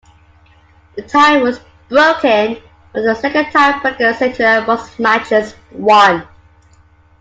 The tie was broken from the "Second Tie Breaking Criteria: Most Matches Won".